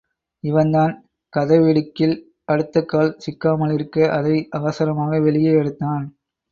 இவன்தான் கதவிடுக்கில் அடுத்தகால் சிக்காமலிருக்க அதை அவசரமாக வெளியே எடுத்தான்.